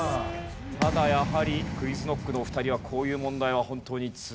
ただやはりＱｕｉｚＫｎｏｃｋのお二人はこういう問題は本当に強い。